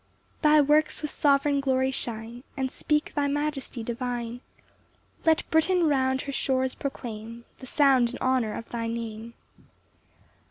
4 Thy works with sovereign glory shine, And speak thy majesty divine; Let Britain round her shores proclaim The sound and honour of thy Name.